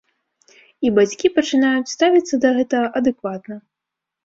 І бацькі пачынаюць ставіцца да гэтага адэкватна.